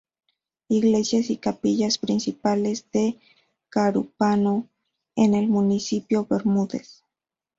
Iglesias y Capillas principales de Carúpano en el Municipio Bermúdez